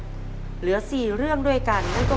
แล้วจะเลือกเรื่องไหนให้คุณพ่อสนอกขึ้นมาต่อคำถามครับ